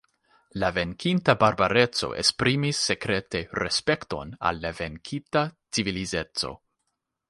La venkinta barbareco esprimis sekrete respekton al la venkita civilizeco.